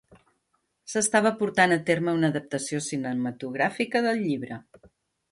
S'estava portant a terme una adaptació cinematogràfica del llibre.